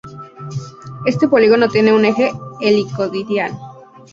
Este polígono tiene un eje helicoidal.